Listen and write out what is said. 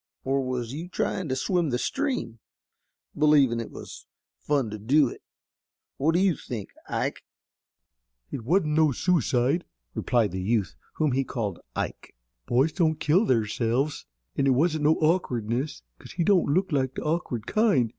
Or was you tryin' to swim the stream, believin' it was fun to do it? What do you think, Ike?" "It wasn't no sooicide," replied the youth whom he had called Ike. "Boys don't kill theirse'ves. An' it wasn't no awkwardness, 'cause he don't look like the awkward kind.